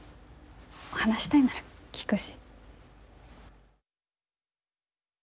話したいなら聞くし。